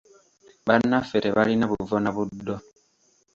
Bannaffe tebalina buvo na buddo.